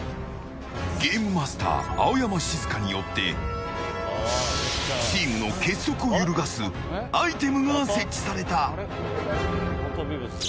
ゲームマスター青山シズカによってチームの結束を揺るがすアイテムが設置された。